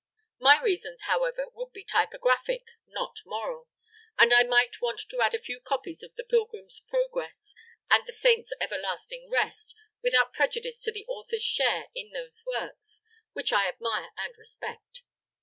My reasons, however, would be typographic, not moral, and I might want to add a few copies of "The Pilgrim's Progress" and "The Saint's Everlasting Rest," without prejudice to the authors' share in those works, which I admire and respect.